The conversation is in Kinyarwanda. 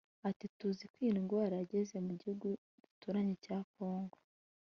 Ati “Tuzi ko iyi ndwara yageze mu gihugu duturanye cya Kongo